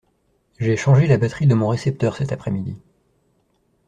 J'ai changé la batterie de mon récepteur cet après-midi.